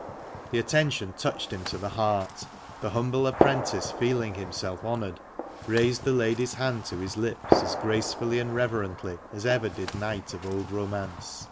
The attention touched him to the heart ; the humble apprentice, feeling himself honoured, raised the lady's hand to his lips as gracefully and reverently as ever did knight of old romance.